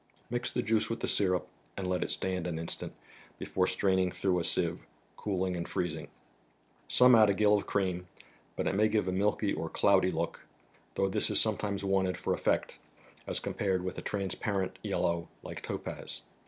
Mix the juice with the syrup, and let it stand an instant, before straining through a sieve, cooling and freezing. Some add a gill of cream, but it may give a milky or cloudy look; though this is sometimes wanted for effect, as compared with a transpar¬ ent yellow, like topaz.